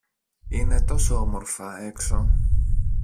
Είναι τόσο όμορφα έξω!